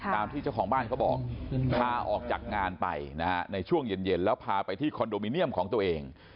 ตามที่เจ้าของบ้านเขาบอกพาออกจากงานไปนะฮะในช่วงเย็นแล้วพาไปที่คอนโดมิเนียมของตัวเอง